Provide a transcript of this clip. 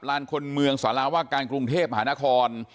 ลานคนเมืองสาราว่าการกรุงเทพมหานคร